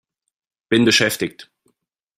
Bin beschäftigt!